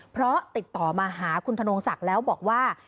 เพราะติดต่อมาหาคุณธนงศักดิ์แล้วบอกว่า